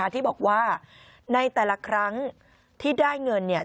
ที่บอกว่าในแต่ละครั้งที่ได้เงินเนี่ย